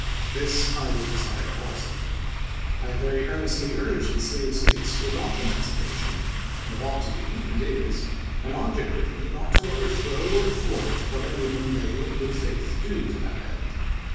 This I would de sire also. I have very earnestly urged the slave States to adopt emancipation; and it ought to be, and is, an object with me not to overthrow or thwart what any of them may, in good faith, do to that end.